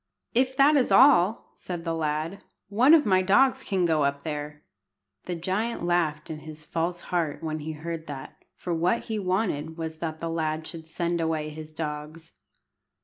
"If that is all," said the lad, "one of my dogs can go up there." The giant laughed in his false heart when he heard that, for what he wanted was that the lad should send away his dogs.